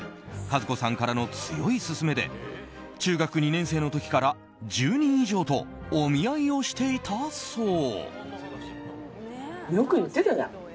数子さんからの強い勧めで中学２年生の時から１０人以上とお見合いをしていたそう。